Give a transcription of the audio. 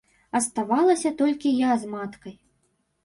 Аставалася толькі я з маткай.